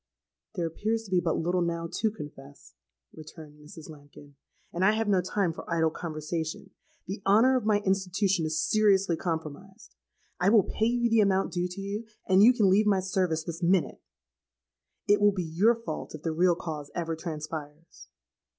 '—'There appears to be but little now to confess,' returned Mrs. Lambkin; 'and I have no time for idle conversation. The honour of my institution is seriously compromised: I will pay you the amount due to you, and you can leave my service this minute. It will be your fault if the real cause ever transpires.'